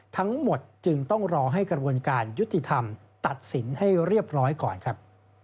ทั้งหมดจึงต้องรอให้กระบวนการยุติธรรมตัดสินให้เรียบร้อยก่อนครับ